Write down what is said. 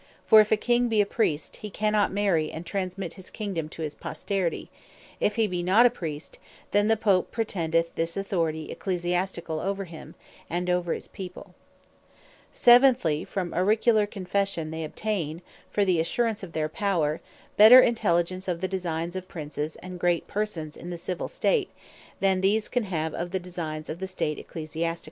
For if a King be a Priest, he cannot Marry, and transmit his Kingdome to his Posterity; If he be not a Priest then the Pope pretendeth this Authority Ecclesiasticall over him, and over his people. Auricular Confession Seventhly, from Auricular Confession, they obtain, for the assurance of their Power, better intelligence of the designs of Princes, and great persons in the Civill State, than these can have of the designs of the State Ecclesiasticall.